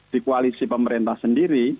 di koalisi pemerintah sendiri